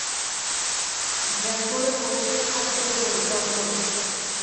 ড্রেগমোরে পৌঁছে, খাদগুলোকে অনুসরণ করব।